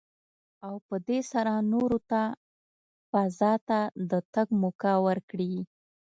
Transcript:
او په دې سره نورو ته فضا ته د تګ موکه ورکړي.